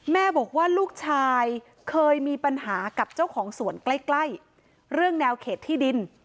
แม่บอกว่าลูกชายเคยมีปัญหากับเจ้าของสวนใกล้เรื่องแนวเขตที่ดิน